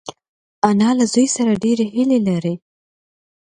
انا له زوی سره ډېرې هیلې لري